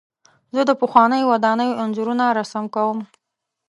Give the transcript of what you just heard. زه د پخوانیو ودانیو انځورونه رسم کوم.